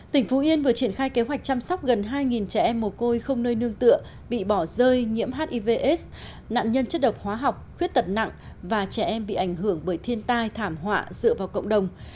tỉnh phú yên vừa triển khai kế hoạch chăm sóc gần hai trẻ em mồ côi không nơi nương tựa bị bỏ rơi nhiễm hivs nạn nhân chất độc hóa học khuyết tật nặng và trẻ em bị ảnh hưởng bởi thiên tai thảm họa dựa vào cộng đồng